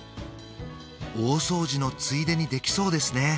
大掃除のついでにできそうですね